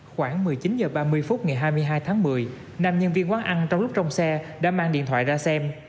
khoảng một mươi chín h ba mươi phút ngày hai mươi hai tháng một mươi nam nhân viên quán ăn trong lúc trong xe đã mang điện thoại ra xem